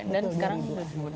dan sekarang enam belas